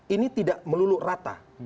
ini tidak melulu rata